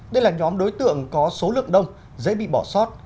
đây là nhóm đối tượng có số lượng đông dễ bị bỏ sót